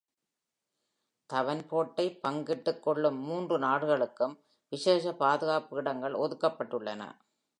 தவன் போட்டை பங்கிட்டுக் கொள்ளும் மூன்று நாடுகளுக்கும் விசேஷ பாதுகாப்பு இடங்கள் ஒதுக்கப்பட்டுள்ளன.